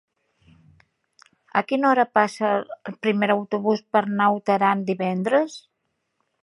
A quina hora passa el primer autobús per Naut Aran divendres?